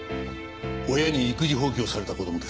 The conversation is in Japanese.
親に育児放棄をされた子供です。